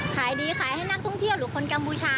ขายดีค่ะขายดีขายให้นักท่องเที่ยวหรือคนกัมบูชาค่ะ